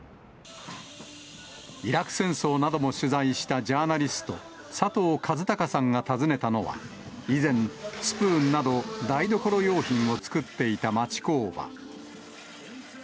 イラク戦争なども取材したジャーナリスト、佐藤和孝さんが訪ねたのは、以前、スプーンなど台所用品を作っていた町工場。